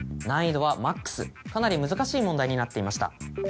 難易度はマックスかなり難しい問題になっていました。